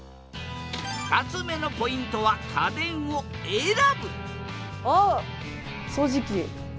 ２つ目のポイントは家電を選ぶあっ掃除機。